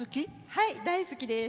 はい、大好きです。